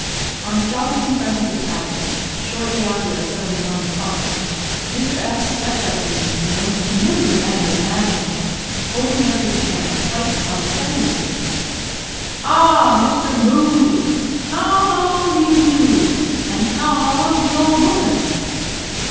On stopping in front of the tavern, shortly after our settlement on the farm, Mr. S stepped up to me, in the most familiar manner imaginable, holding out his hand quite condescendingly, "Ah, Mister Moodie, ha a w do you do? and ha a w's the old woman?"